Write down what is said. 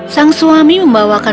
sang suami membawakan